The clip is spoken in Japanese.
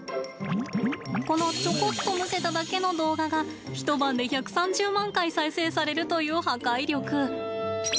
この、ちょこっとむせただけの動画が一晩で１３０万回再生されるという破壊力。